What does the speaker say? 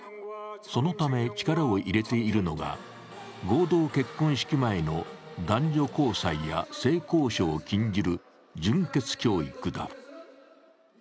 そのため力を入れているのが合同結婚式前の男女交際や性交渉を禁じる純潔教育だ。